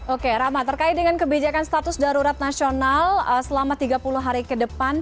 oke rama terkait dengan kebijakan status darurat nasional selama tiga puluh hari ke depan